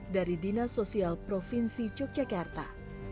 dari dinas sosial provinsi yogyakarta